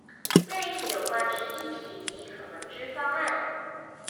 列印有關之議題及可能之方案